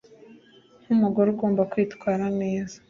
nkumugore ugomba kwitwara neza.